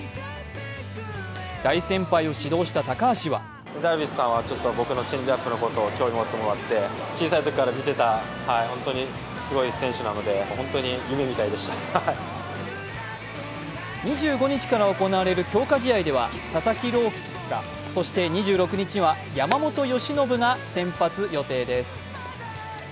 大先輩を指導した高橋は２５日から行われる強化試合では佐々木朗希がそして２６日は山本由伸が先発予定です。